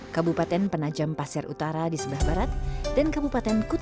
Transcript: kabupaten penajam pasir utara di sebelah barat dan kabupaten kutaya di sebelah kiri